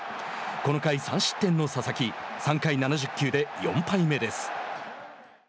この回、３失点の佐々木３回７０球で４敗目です。